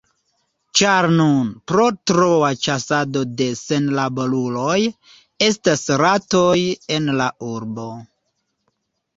Ĉar nun, pro troa ĉasado de senlaboruloj, estas ratoj en la urbo.